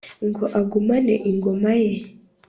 ngo agumane ingoma ye